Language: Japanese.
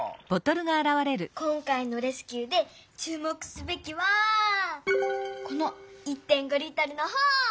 今回のレスキューでちゅう目すべきはこの１．５Ｌのほう！